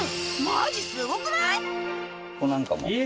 マジすごくない？